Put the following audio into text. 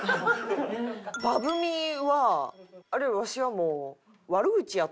バブみはあれわしはもう。